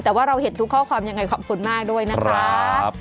แต่ว่าเราเห็นทุกข้อความยังไงขอบคุณมากด้วยนะครับ